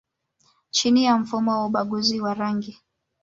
chini ya mfumo wa ubaguzi wa rangi